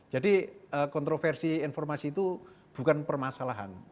jadi kontroversi informasi itu bukan permasalahan